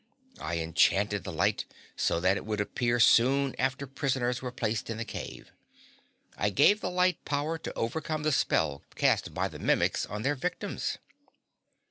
I enchanted the light so that it would appear soon after prisoners were placed in the cave. I gave the light power to overcome the spell cast by the Mimics on their victims."